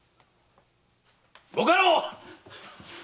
ご家老！